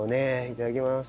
いただきます。